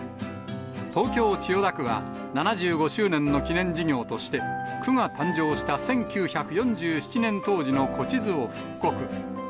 東京・千代田区は、７５周年の記念事業として、区が誕生した１９４７年当時の古地図を復刻。